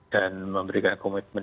dan memberikan komitmen